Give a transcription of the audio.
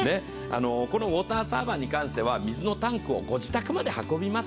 このウォーターサーバーに関しては水のタンクをご自宅まで運びます。